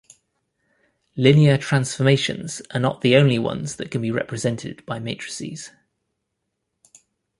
Linear transformations are not the only ones that can be represented by matrices.